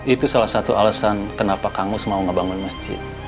itu salah satu alasan kenapa kamu mau ngebangun masjid